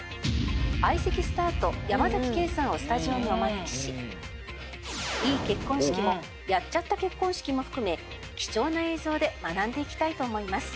相席スタート山ケイさんをスタジオにお招きしいい結婚式もやっちゃった結婚式も含め貴重な映像で学んでいきたいと思います。